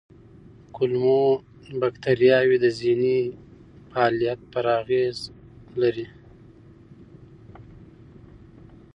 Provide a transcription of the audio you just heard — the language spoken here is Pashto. کولمو بکتریاوې د ذهني فعالیت پر اغېز لري.